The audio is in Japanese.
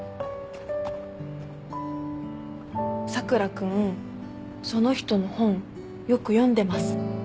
佐倉君その人の本よく読んでます。